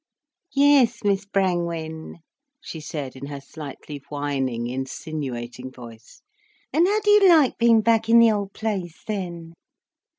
"Yes, Miss Brangwen," she said, in her slightly whining, insinuating voice, "and how do you like being back in the old place, then?"